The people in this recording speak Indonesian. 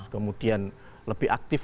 kemudian lebih aktif